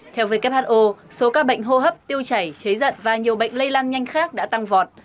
theo who số các bệnh hô hấp tiêu chảy cháy giận và nhiều bệnh lây lan nhanh khác đã tăng vọt